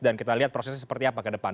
dan kita lihat prosesnya seperti apa ke depan